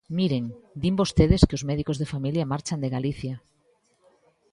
Miren, din vostedes que os médicos de familia marchan de Galicia.